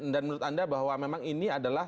dan menurut anda bahwa memang ini adalah